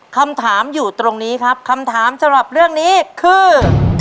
คำถามอยู่ตรงนี้ครับคำถามสำหรับเรื่องนี้คือ